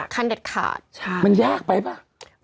คันเด็ดขาดใช่ครับมันยากไปหรือเปล่า